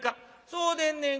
「そうでんねん。